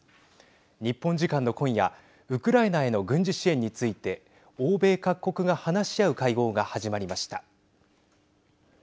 日本時間の今夜ウクライナへの軍事支援について欧米各国が話し合う会合が始まりました。